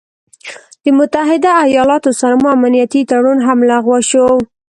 د متحده ايالاتو سره مو امنيتي تړون هم لغوه شو